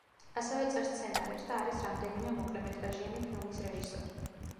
ასევე წერს სცენარებს და არის რამდენიმე მოკლემეტრაჟიანი ფილმის რეჟისორი.